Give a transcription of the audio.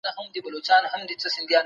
موږ سمه نتيجه اخلو.